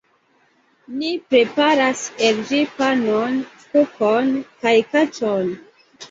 Ni preparas el ĝi panon, kukon kaj kaĉon.